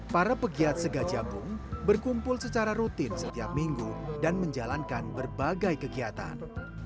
para pegiat segajabung berkumpul secara rutin setiap minggu dan menjalankan berbagai kegiatan